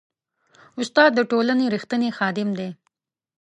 استاد د ټولنې ریښتینی خادم دی.